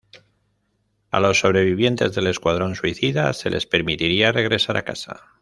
A los sobrevivientes del Escuadrón Suicida se les permitiría regresar a casa.